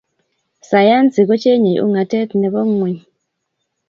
sayansi kochengei ungatet Nepo ngueny